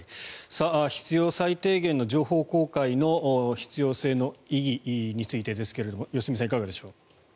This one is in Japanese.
必要最低限の情報公開の必要性の意義についてですが良純さん、いかがでしょう。